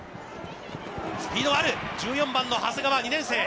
スピードがある１４番の長谷川、２年生。